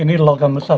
ini logam besar